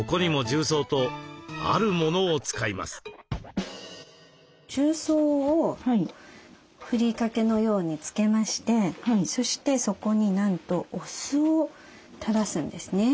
重曹をふりかけのようにつけましてそしてそこになんとお酢をたらすんですね。